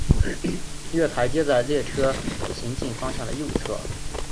月台皆在列车行进方面的右侧。